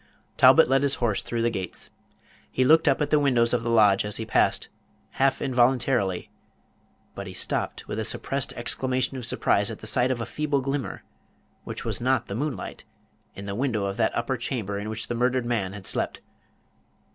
Talbot led his horse through the gates. He looked up at the windows of the lodge as he passed, half involuntarily; but he stopped with a suppressed exclamation of surprise at Page 195 the sight of a feeble glimmer, which was not the moonlight, in the window of that upper chamber in which the murdered man had slept.